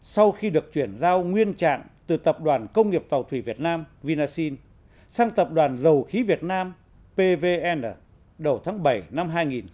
sau khi được chuyển giao nguyên trạng từ tập đoàn công nghiệp tàu thủy việt nam vinasin sang tập đoàn dầu khí việt nam pvn đầu tháng bảy năm hai nghìn một mươi chín